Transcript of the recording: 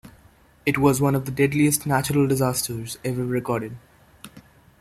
It was one of the deadliest natural disasters ever recorded.